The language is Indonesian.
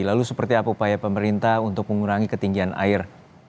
lalu seperti apa upaya pemerintah untuk mengurangi ketinggian air